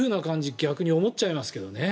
逆に思っちゃいますけどね。